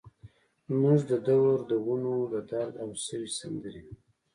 زموږ د دور دونو ، ددرد او سوي سندرې